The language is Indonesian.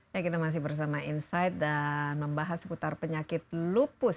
ya kita masih bersama insight dan membahas seputar penyakit lupus